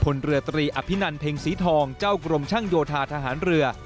เรือตรีอภินันเพ็งศรีทองเจ้ากรมช่างโยธาทหารเรือ